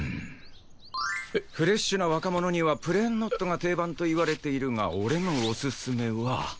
フレッシュな若者にはプレーンノットが定番と言われているが俺のおすすめは。